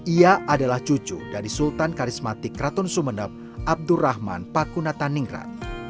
ia adalah cucu dari sultan karismatik ratun sumeneb abdurrahman pakunata ningrat